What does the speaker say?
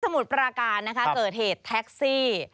มุดปราการนะคะเกิดเหตุแท็กซี่